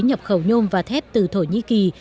nhập khẩu nhôm và thép từ thổ nhĩ kỳ